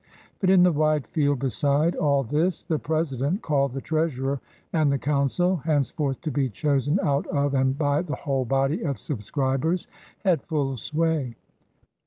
But in the wide field beside all this the President — called the Treasurer — and the Council, henceforth to be chosen out of and by the whole body of subscribers, had full sway.